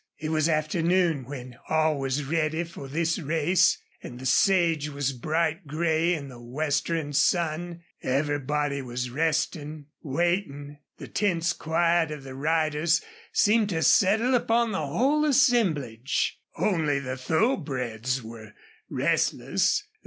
It was afternoon when all was ready for this race, and the sage was bright gray in the westering sun. Everybody was resting, waiting. The tense quiet of the riders seemed to settle upon the whole assemblage. Only the thoroughbreds were restless.